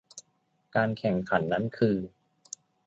การแข่งขันนั้นคือ